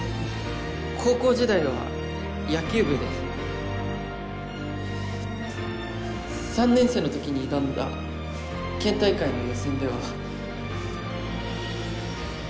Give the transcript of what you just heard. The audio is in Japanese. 高校時代は野球部でえっと３年生の時に挑んだ県大会の予選では。